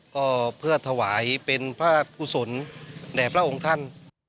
ก็เพื่อถวายเป็นพระกุศลแด่พระองค์ท่าน